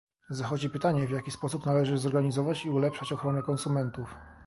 Zachodzi pytanie, w jaki sposób należy zorganizować i ulepszać ochronę konsumentów?